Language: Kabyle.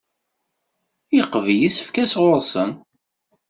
Yeqbel isefka sɣur-sen.